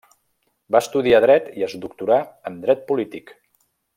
Va estudiar Dret, i es doctorà en Dret polític.